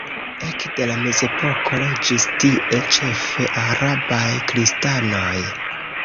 Ekde la mezepoko loĝis tie ĉefe arabaj kristanoj.